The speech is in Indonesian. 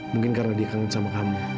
mungkin karena dia kangen sama kamu